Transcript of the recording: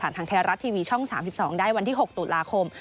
ทางไทยรัฐทีวีช่อง๓๒ได้วันที่๖ตุลาคม